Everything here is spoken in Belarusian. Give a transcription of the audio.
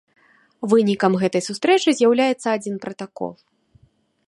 Вынікам гэтай сустрэчы з'яўляецца адзін пратакол.